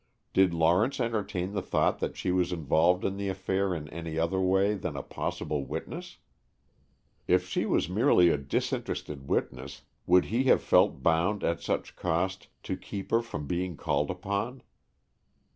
Did Lawrence entertain the thought that she was involved in the affair in any other way than as a possible witness? If she was merely a disinterested witness, would he have felt bound, at such cost, to keep her from being called upon?